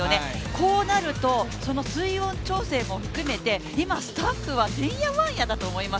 こうなると、水温調整も含めて今、スタッフはてんやわんやだと思います。